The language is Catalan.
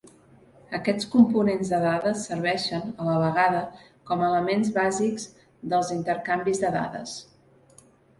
Aquests components de dades serveixen, a la vegada, com a "elements bàsics" dels intercanvis de dades.